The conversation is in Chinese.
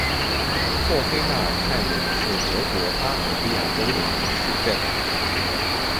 霍黑纳尔泰姆是德国巴伐利亚州的一个市镇。